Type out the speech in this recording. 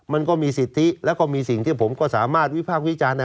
มันก็มีสิทธิแล้วก็มีสิ่งที่ผมก็สามารถวิพากษ์วิจารณ์